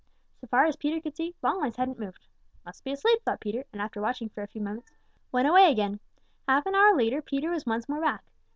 So far as Peter could see, Longlegs hadn't moved. "Must be asleep," thought Peter, and after watching for a few minutes, went away again. Half an hour later Peter was once more back.